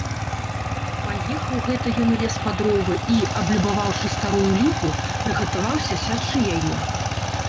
Паехаў гэта ён у лес па дровы і, аблюбаваўшы старую ліпу, прыгатаваўся сячы яе.